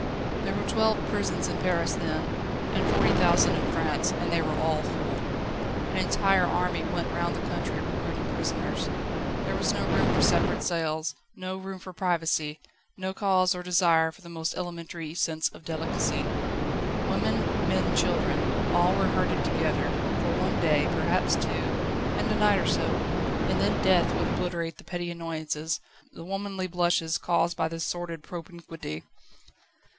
There were twelve prisons in Paris then, and forty thousand in France, and they were all full. An entire army went round the country recruiting prisoners. There was no room for separate cells, no room for privacy, no cause or desire for the most elementary sense of delicacy. Women, men, children all were herded together, for one day, perhaps two, and a night or so, and then death would obliterate the petty annoyances, the womanly blushes caused by this sordid propinquity.